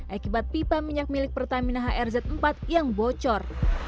akibat pipa minyak milik pertamina hrz empat yang bocor